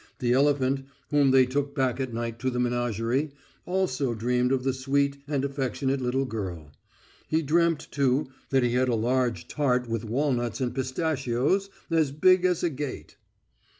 The elephant, whom they took back at night to the menagerie, also dreamed of the sweet and affectionate little girl. He dreamt, too, that he had a large tart with walnuts and pistachios as big as a gate....